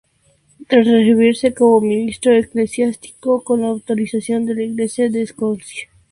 Tras recibirse como ministro eclesiástico con la autorización de la Iglesia de Escocia.